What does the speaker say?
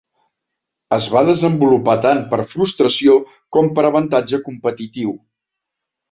Es va desenvolupar tant per frustració com per avantatge competitiu.